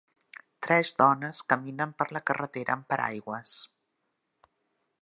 Tres dones caminen per la carretera amb paraigües.